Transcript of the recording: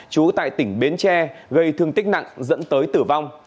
trú tại tỉnh bến tre gây thương tích nặng dẫn tới tử vong